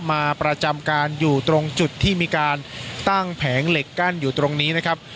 มาประจำการอยู่ตรงจุดที่มีการตั้งแผงเหล็กกั้นอยู่ตรงนี้นะครับ